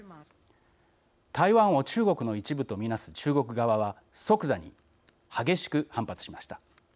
台湾を中国の一部と見なす中国側は即座に激しく反発しました。